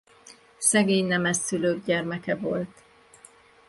Szegény nemes szülők gyermeke volt.